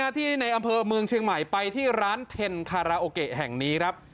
ที่ในอำเภอเมืองเชียงใหม่ไปที่ร้านเทนคาราโอเกะแห่งนี้ครับ